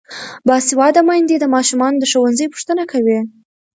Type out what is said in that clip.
باسواده میندې د ماشومانو د ښوونځي پوښتنه کوي.